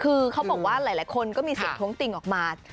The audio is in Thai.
คือเขาบอกว่าหลายคนก็มีเสียงท้วงติ่งออกมา